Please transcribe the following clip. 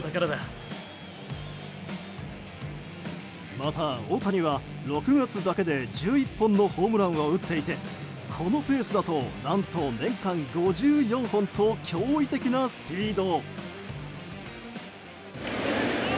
また、大谷は６月だけで１１本のホームランを打っていてこのペースだと何と年間５４本と驚異的なスピード。